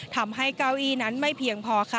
ทำให้เก้าอีไม่เพียงพอ